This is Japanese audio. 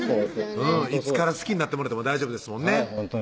いつから好きになってもらっても大丈夫ですもんね